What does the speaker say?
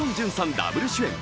ダブル主演。